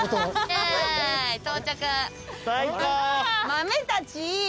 マメたち。